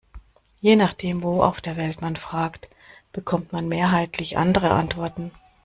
Je nachdem, wo auf der Welt man fragt, bekommt man mehrheitlich andere Antworten.